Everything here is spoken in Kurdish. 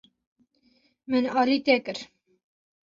Min alî te kir.